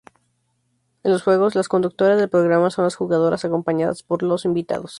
En los juegos, las conductora del programa son las jugadoras acompañadas por los invitados.